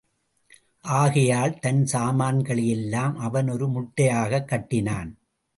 ஆகையால், தன் சாமான்களை யெல்லாம் அவன் ஒரு முட்டையாகக் கட்டினான்.